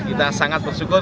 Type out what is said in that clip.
kita sangat bersyukur